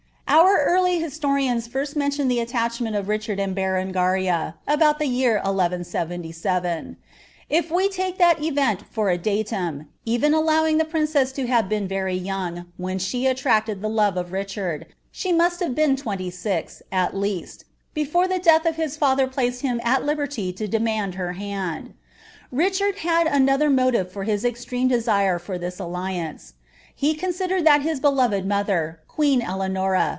Our early historians first mention the attachment of Ricliard and B( ten^ria, about the year 1 177. If we take that rvent for a datum, ern allowing the prinrcss to have been very young when she aliracttd in lore of Itlehani, she mui'l have been twenly i<ix, at leant, (Mfore dit death of his father placed him at liberty to ileinniid her luind. Richtnt had another motive for his extreme deaire for thia alliance ; ht cosn dered lliat hia beloved m'>ilier, queen Eleanora.